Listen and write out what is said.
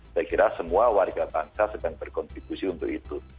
saya kira semua warga bangsa sedang berkontribusi untuk itu